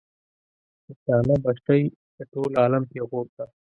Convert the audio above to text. نشانه به شئ د ټول عالم پیغور ته.